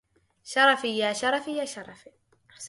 شرفي يا شرفي يا شرفي